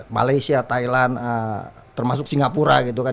malaysia thailand termasuk singapura gitu kan